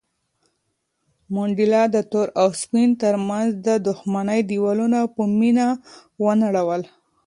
منډېلا د تور او سپین تر منځ د دښمنۍ دېوالونه په مینه ونړول.